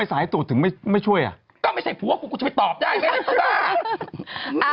ท่านทรงสาน